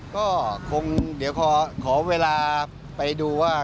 ก็คงเดี๋ยวขอเวลาไปดูว่า